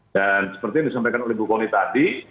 dan seperti yang disampaikan oleh bu kony tadi